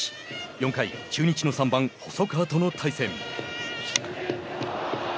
４回、中日の３番細川との対戦。